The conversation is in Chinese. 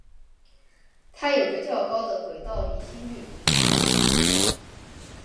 它有着较高的轨道离心率。